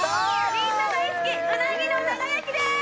みんな大好きうなぎの長焼きです